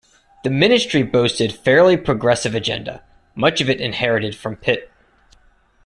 The ministry boasted fairly progressive agenda, much of it inherited from Pitt.